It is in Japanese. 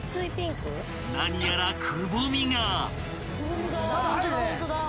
［何やらくぼみが］